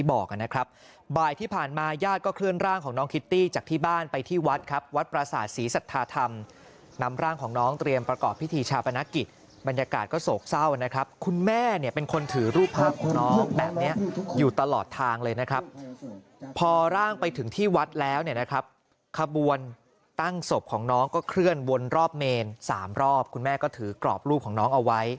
บอกนะครับบ่ายที่ผ่านมาย่าก็เคลื่อนร่างของน้องคิตตี้จากที่บ้านไปที่วัดครับวัดปราศาสตร์ศรีสัทธาธรรมนำร่างของน้องเตรียมประกอบพิธีชาปนักกิจบรรยากาศก็โศกเศร้านะครับคุณแม่เนี่ยเป็นคนถือรูปภาพน้องแบบนี้อยู่ตลอดทางเลยนะครับพอร่างไปถึงที่วัดแล้วเนี่ยนะครับขบวนตั้งศพของน้อง